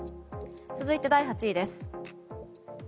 続いて第８位です。